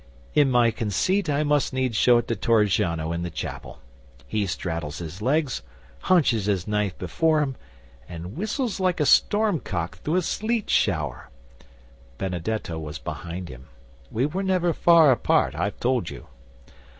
In my conceit I must needs show it to Torrigiano, in the chapel. He straddles his legs, hunches his knife behind him, and whistles like a storm cock through a sleet shower. Benedetto was behind him. We were never far apart, I've told you.